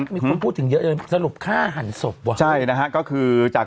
มีคนพูดถึงเยอะเลยสรุปฆ่าหันศพว่ะใช่นะฮะก็คือจาก